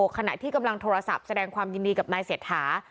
ขณะที่กำลังโทรศัพท์แสดงความยินดีกับนายเศรษฐา